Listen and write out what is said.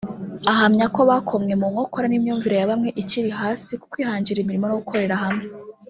Ahamya ko bakomwe mu nkokora n’imyumvire ya bamwe ikiri hasi ku kwihangira imirimo no gukorera hamwe